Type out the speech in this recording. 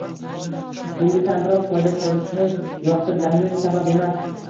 bunga kamroq foyda ko'rishni yoqtirganim sabab emas.